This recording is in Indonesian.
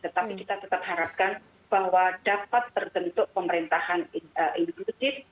tetapi kita tetap harapkan bahwa dapat terbentuk pemerintahan inklusif